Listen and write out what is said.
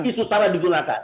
isu salah digunakan